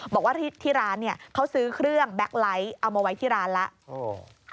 บอกว่าที่ร้านเนี่ยเขาซื้อเครื่องแก๊กไลท์เอามาไว้ที่ร้านแล้ว